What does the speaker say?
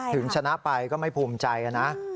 ถึงชนะไปก็ไม่ภูมิใจนะ